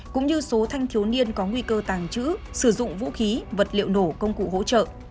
cũng như số thanh thiếu niên có nguy cơ tàng trữ sử dụng vũ khí vật liệu nổ công cụ hỗ trợ